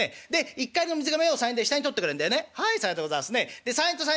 「一荷入りの水がめを３円で下に取ってくれるんだよね？」。